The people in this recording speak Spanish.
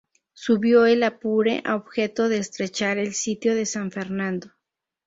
Subió el Apure a objeto de estrechar el sitio de San Fernando.